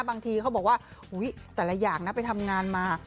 บางทีเขาบอกว่าแต่ละอย่างนะไปทำงานมา